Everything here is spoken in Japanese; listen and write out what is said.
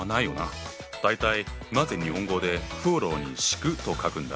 大体なぜ日本語で「風呂に敷く」と書くんだ？